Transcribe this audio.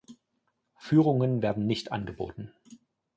Führungen werden nicht angeboten.